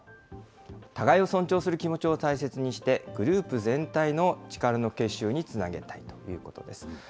互いを尊重する気持ちを大切にして、グループ全体の力の結集につなげたいということです。